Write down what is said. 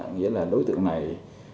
nghĩa là đối tượng này